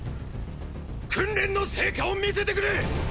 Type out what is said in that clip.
訓練の成果を見せてくれ！！